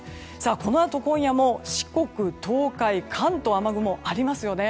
このあと今夜も四国東海・関東、雨雲ありますよね。